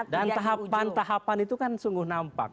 dan tahapan tahapan itu kan sungguh nampak